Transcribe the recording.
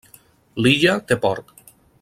L'illa té port.